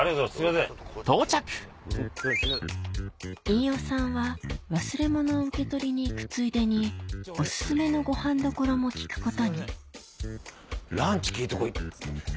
飯尾さんは忘れ物を受け取りに行くついでにお薦めのごはん処も聞くことに「ランチ聞いて来い」。